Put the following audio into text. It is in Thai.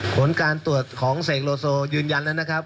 ผลการตรวจของเสกโลโซยืนยันแล้วนะครับ